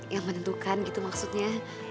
yang menentukan gitu maksudnya